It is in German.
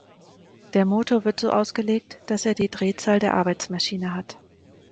Der Motor wird so ausgelegt, dass er die Drehzahl der Arbeitsmaschine hat.